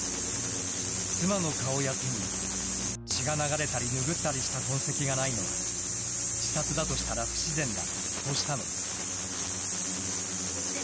妻の顔や手に、血が流れたり拭ったりした痕跡がないのは、自殺だとしたら不自然だとしたのです。